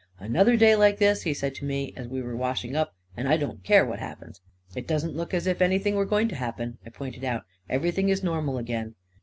" Another day like this," he said to me, as we were washing up, " and I don't care what happens 1 "" It doesn't look as if anything were going to happen," I pointed out. " Everything is normal again."